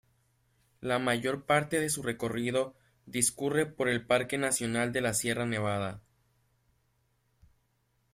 La mayor parte de su recorrido discurre por el Parque nacional de Sierra Nevada.